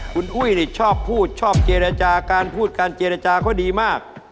คุณอุ้ยชอบพูดชอบเจรจาการพูดการเจรจาเขาดีมาก